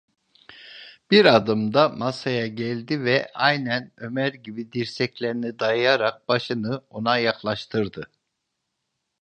Bir adımda masaya geldi ve aynen Ömer gibi dirseklerini dayayarak başını ona yaklaştırdı.